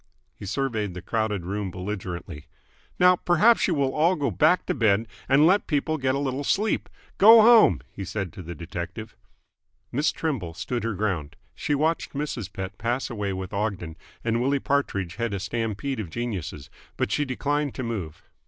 He surveyed the crowded room belligerently. "Now perhaps you will all go back to bed and let people get a little sleep. Go home!" he said to the detective. Miss Trimble stood her ground. She watched Mrs. Pett pass away with Ogden, and Willie Partridge head a stampede of geniuses, but she declined to move.